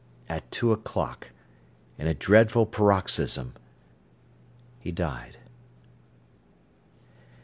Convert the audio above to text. At two o'clock, in a dreadful paroxysm, he died.